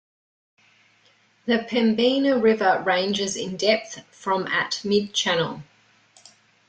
The Pembina River ranges in depth from at mid-channel.